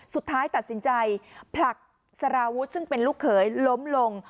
สุดท้ายตัดสินใจผลักสารวุฒิซึ่งเป็นลูกเขยล้มลง